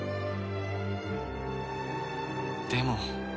でも。